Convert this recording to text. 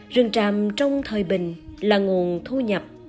rừng tràm trong thời bình là nguồn thu nhập